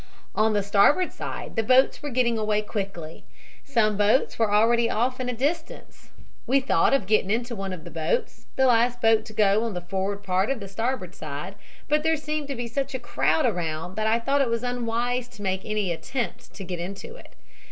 "On the starboard side the boats were getting away quickly. Some boats were already off in a distance. We thought of getting into one of the boats, the last boat to go on the forward part of the starboard side, but there seemed to be such a crowd around I thought it unwise to make any attempt to get into it.